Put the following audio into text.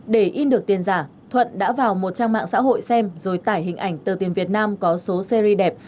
để in được tiền giả thuận đã vào một trang mạng xã hội xem rồi tải hình ảnh tờ tiền việt nam có số series đẹp